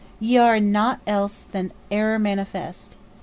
Ye are in naught else than error manifest.